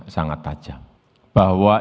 sangat tajam bahwa